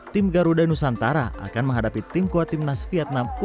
tim garuda nusantara akan menghadapi timkuat timnas vietnam u dua puluh